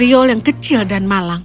rio yang kecil dan malang